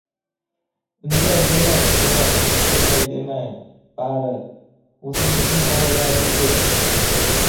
— Unday demang, ena, unday demang, bari o‘zingizni bolalaringiz.